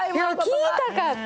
聞いたかって。